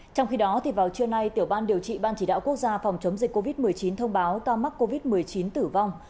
trong khi đó vào trưa nay tiểu ban điều trị ban chỉ đạo quốc gia phòng chống dịch covid một mươi chín thông báo ca mắc covid một mươi chín tử vong